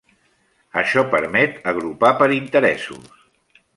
Això permet agrupar per interessos.